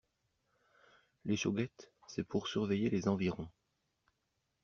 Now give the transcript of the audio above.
L'échauguette, c'est pour surveiller les environs.